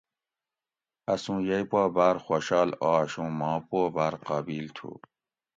اسوں یئی پا باۤر خوشال آش اوں ماں پو باۤر قابل تھو